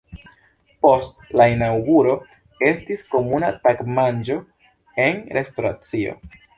Post la inaŭguro estis komuna tagmanĝo en restoracio.